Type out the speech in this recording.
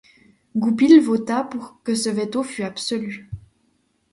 Goupil vota pour que ce veto fût absolu.